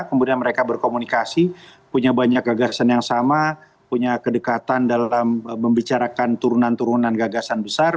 kemudian mereka berkomunikasi punya banyak gagasan yang sama punya kedekatan dalam membicarakan turunan turunan gagasan besar